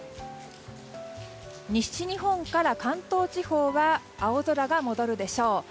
西日本から関東地方は青空が戻るでしょう。